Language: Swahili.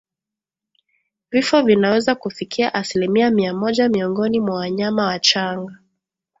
Vifo vinaweza kufika asilimia mia moja miongoni mwa wanyama wachanga